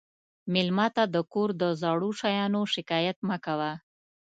مېلمه ته د کور د زړو شیانو شکایت مه کوه.